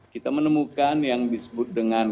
kita menemukan yang disebut dengan